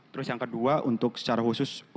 terus yang kedua untuk secara khusus